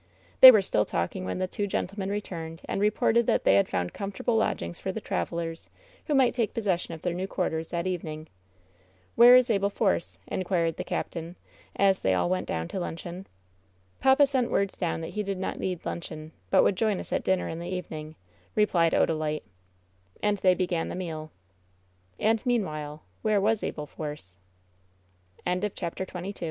They were still talking when the two gentlemen re turned, and reported that they had found comfortable lodgings for the travelers, who might take possession of their new quarters that evening. "Where is Abel Force ?" inquired the captain, as they all went down to luncheon. "Papa sent word down that he did not need luncheon, but would join us at dinner in the evening^" replied Odalite. 186 WHEN SHADOWS DIE And they began the meal.